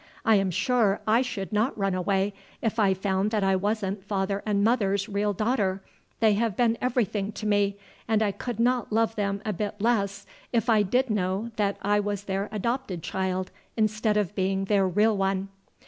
"I am sure I should not run away if I found that I wasn't father and mother's real daughter. They have been everything to me, and I could not love them a bit less if I did know that I was their adopted child instead of being their real one."